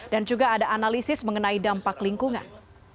dan juga ada analisis mengenai dampak lingkungan